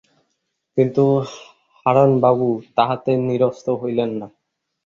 কিন্তু হারানবাবু তাহাতে নিরস্ত হইলেন না।